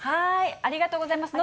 ありがとうございます。